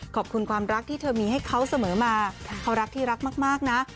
ขอบคุณความรักที่เธอมีให้เขาเสมอมาเขารักที่รักมากนะ